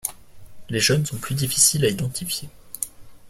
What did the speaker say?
Les jeunes sont plus difficiles à identifier.